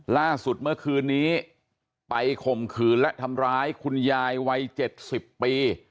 ล่าสุดเมื่อคืนนี้ไปข่มขืนและทำร้ายคุณยายวัย๗๐ปี